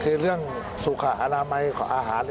คือเรื่องสุขอนามัยอาหาร